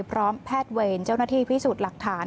พร้อมแพทย์เวรเจ้าหน้าที่พิสูจน์หลักฐาน